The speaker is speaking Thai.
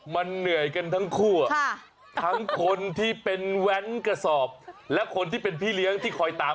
มันเหนื่อยกันทั้งคู่ทั้งคนที่เป็นแว้นกระสอบและคนที่เป็นพี่เลี้ยงที่คอยตาม